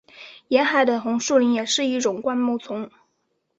沿海的红树林也是一种灌木林。